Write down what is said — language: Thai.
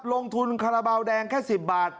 ลงทุนคาราบาวแดงแค่๑๐บาท